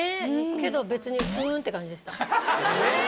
けど別に「ふん」って感じでした。